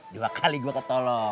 dua kali gua ketolong